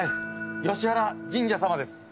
吉原神社さまです。